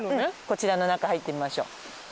こちらの中入ってみましょう。